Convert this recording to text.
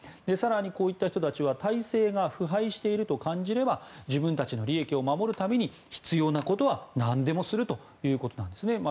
更にこういった人たちは体制が腐敗していると感じれば自分たちの利益を守るために必要なことはなんでもするということなんですね。